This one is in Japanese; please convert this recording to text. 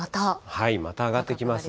また上がってきます。